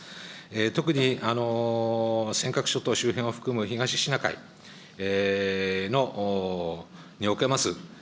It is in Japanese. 特に尖閣諸島周辺を含む、東シナ海の、におけます